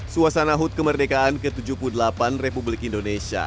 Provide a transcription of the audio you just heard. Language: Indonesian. suasana hut kemerdekaan ke tujuh puluh delapan republik indonesia